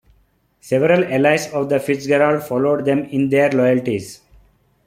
Several allies of the FitzGeralds followed them in their loyalties.